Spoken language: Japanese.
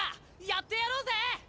やってやろうぜ！